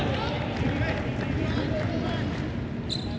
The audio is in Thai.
หมาย๙๐